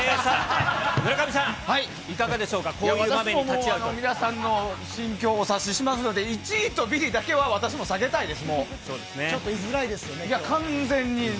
村上さん、いかがでしょうか、皆さんの心境をお察ししますので、１位とビリだけは、私も避けたいです、